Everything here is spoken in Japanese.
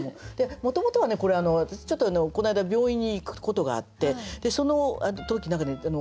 もともとはね私ちょっとこの間病院に行くことがあってその時何かね